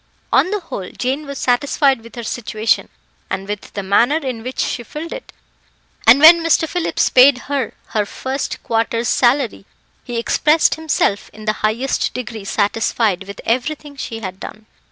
On the whole, Jane was satisfied with her situation, and with the manner in which she filled it, and when Mr. Phillips paid her her first quarter's salary, he expressed himself in the highest degree satisfied with everything she had done.